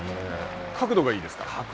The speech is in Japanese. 角度がいいですね。